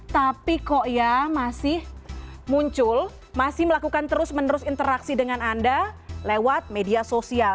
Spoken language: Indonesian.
tapi kok ya masih muncul masih melakukan terus menerus interaksi dengan anda lewat media sosial